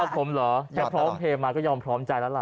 ผมเหรอจะพร้อมเพลย์มาก็ยอมพร้อมใจแล้วล่ะ